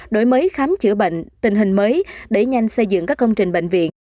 đổi mới khám chữa bệnh tình hình mới đẩy nhanh xây dựng các công trình bệnh viện